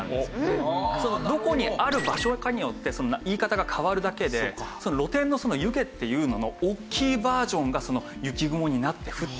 そのどこにある場所かによって言い方が変わるだけで露天の湯気っていうののおっきいバージョンが雪雲になって降って。